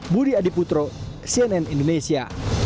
budi adiputro cnn indonesia